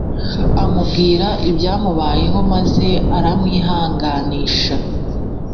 Amubwira ibyamubayeho maze aramwihanganisha